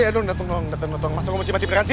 dateng dong dateng masa gue mesti mati berhenti